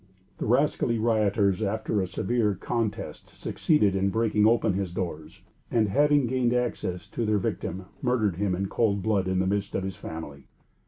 The rascally rioters, after a severe contest, succeeded in breaking open his doors; and, having gained access to their victim, murdered him in cold blood in the midst of his family.